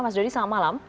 mas dodi selamat malam